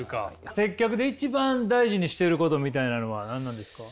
接客で一番大事にしてることみたいなのは何なんですか？